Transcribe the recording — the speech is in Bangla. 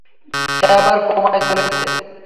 সে আবার কোমায় চলে গেছে।